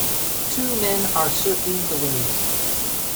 Two men are surfing the waves.